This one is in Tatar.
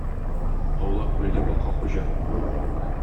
Аулак күлгә бака хуҗа.